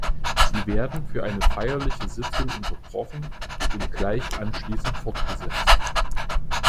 Sie werden für eine feierliche Sitzung unterbrochen und gleich anschließend fortgesetzt.